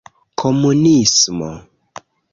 komunismo